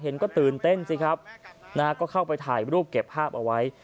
เห็นก็ตื่นเต้นสิครับนะฮะก็เข้าไปถ่ายรูปเก็บภาพเอาไว้